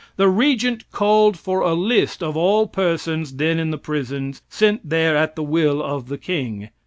The regent called for a list of all persons then in the prisons sent there at the will of the king.